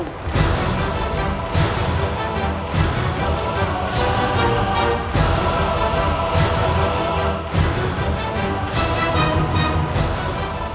kita di avuk ourional